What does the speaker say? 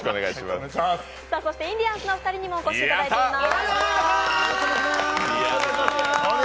インディアンスのお二人にもお越しいただいています。